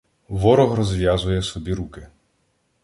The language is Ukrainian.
Ворог розв'язує собі руки.